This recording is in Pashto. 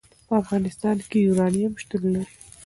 په افغانستان کې یورانیم شتون لري.